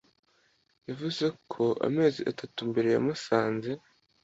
Yavuze ko amezi atatu mbere yamusanze